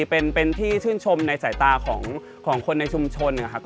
เป็นพี่ชื่นชมในสายตาของคนในชุมชน